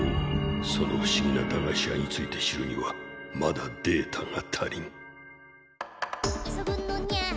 その不思議な駄菓子屋について知るにはまだデータが足りん。